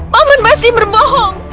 pak man pasti berbohong